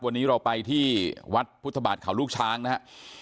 วันนี้เราไปที่วัดพุทธบาทเขาลูกช้างนะครับ